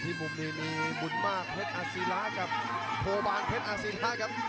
มุมนี้มีบุญมากเพชรอศิระกับโทบานเพชรอาศีทะครับ